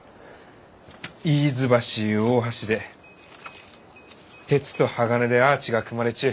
イーズ橋ゆう大橋で鉄と鋼でアーチが組まれちゅう